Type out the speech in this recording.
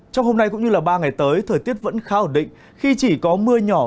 trong hôm nay cũng như ba ngày tới thời tiết vẫn khá ổn định khi chỉ có mưa nhỏ